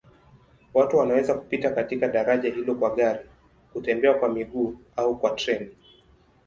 Watu wanaweza kupita katika daraja hilo kwa gari, kutembea kwa miguu au kwa treni.